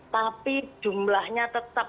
tapi jumlahnya tetap